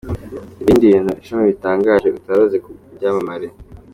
Ibindi bintu Icumi bitangaje utari uzi ku byamamare